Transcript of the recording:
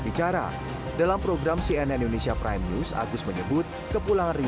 dicekal itu kalau keluar negeri tapi tidak dicekal kalau masuk